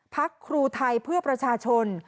ครูไทยเพื่อประชาชน